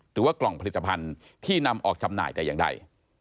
หรือว่ากล่องผลิตภัณฑ์ที่นำออกจำหน่ายแต่อย่างใด